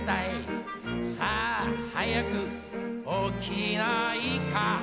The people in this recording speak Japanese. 「さあ早く起きないか」